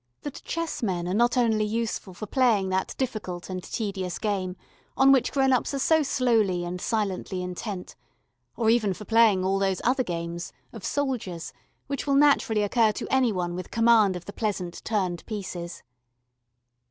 That chessmen are not only useful for playing that difficult and tedious game on which grown ups are so slowly and silently intent, or even for playing all those other games, of soldiers, which will naturally occur to any one with command of the pleasant turned pieces.